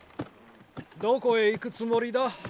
どこへ行くつもりだ？